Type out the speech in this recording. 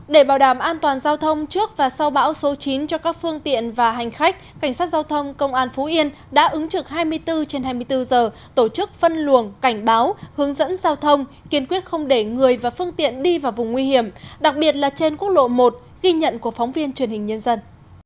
để bảo đảm an toàn giao thông trước và sau bão số chín cho các phương tiện và hành khách cảnh sát giao thông công an phú yên đã ứng trực hai mươi bốn trên hai mươi bốn giờ tổ chức phân luồng cảnh báo hướng dẫn giao thông kiên quyết không để người và phương tiện đi vào vùng nguy hiểm đặc biệt là trên quốc lộ một ghi nhận của phóng viên truyền hình nhân dân